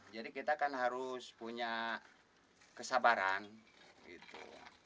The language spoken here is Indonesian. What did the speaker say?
jadi kita kan harus punya kesabaran gitu